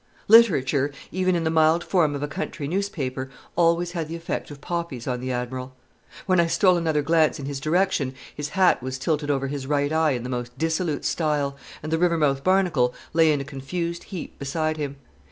Literature, even in the mild form of a country newspaper, always had the effect of poppies on the Admiral. 'When I stole another glance in his direction his hat was tilted over his right eye in the most dissolute style, and the Rivermouth Barnacle lay in a confused heap beside him.